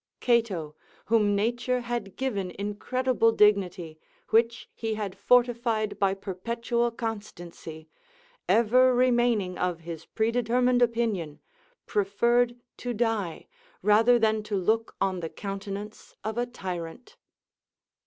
["Cato, whom nature had given incredible dignity, which he had fortified by perpetual constancy, ever remaining of his predetermined opinion, preferred to die rather than to look on the countenance of a tyrant."